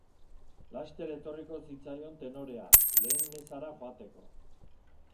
Laster etorriko zitzaion tenorea, lehen mezara joateko.